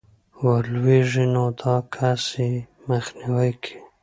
ورلوېږي، نو دا كس ئې مخنيوى كوي